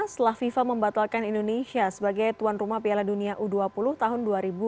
setelah fifa membatalkan indonesia sebagai tuan rumah piala dunia u dua puluh tahun dua ribu dua puluh